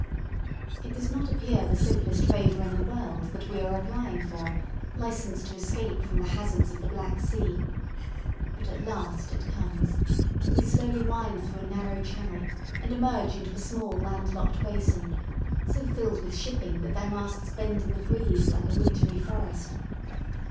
It does not appear the simplest favour in the world that we are applying for licence to escape from the hazards of the Black Sea. But at last it comes, and we slowly wind through a narrow channel, and emerge into a small landlocked basin, so filled with shipping that their masts bend in the breeze like a wintry forest.